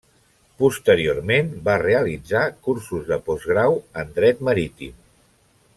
Posteriorment, va realitzar cursos de postgrau en Dret Marítim.